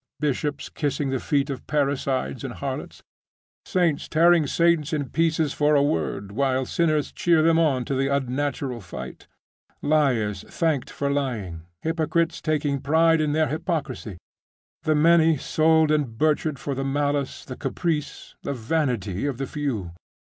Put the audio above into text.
Bishops kissing the feet of parricides and harlots. Saints tearing saints in pieces for a word, while sinners cheer them on to the unnatural fight. Liars thanked for lying, hypocrites taking pride in their hypocrisy. The many sold and butchered for the malice, the caprice, the vanity of the few.